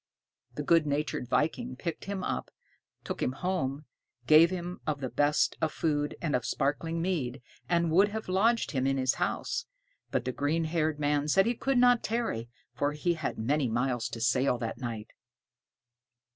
The good natured viking picked him up, took him home, gave him of the best of food and of sparkling mead, and would have lodged him in his house; but the green haired man said he could not tarry, for he had many miles to sail that night.